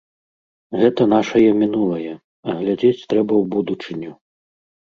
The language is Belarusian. Гэта нашае мінулае, а глядзець трэба ў будучыню.